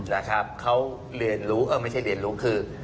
นะครับเขาเรียนรู้เออไม่ใช่เรียนรู้คือ